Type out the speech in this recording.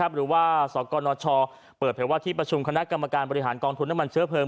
หรือว่าสกนชเปิดเผยว่าที่ประชุมคณะกรรมการบริหารกองทุนน้ำมันเชื้อเพลิง